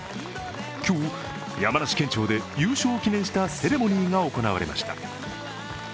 今日、山梨県庁で優勝を記念したセレモニーが行われました。